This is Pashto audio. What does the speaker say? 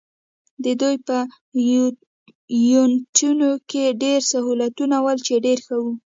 د دوی په یونیټونو کې ډېر سهولتونه ول، چې ډېر ښه وو.